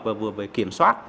và vừa về kiểm soát